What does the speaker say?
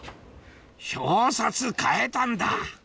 表札替えたんだ！